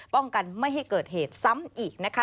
ป้องกันไม่ให้เกิดเหตุซ้ำอีกนะคะ